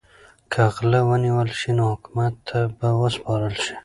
که غله ونیول شي نو حکومت ته به وسپارل شي.